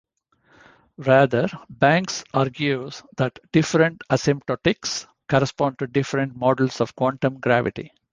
Rather, Banks argues that different asymptotics correspond to different models of quantum gravity.